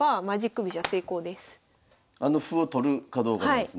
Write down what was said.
あの歩を取るかどうかなんですね。